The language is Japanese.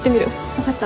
分かった。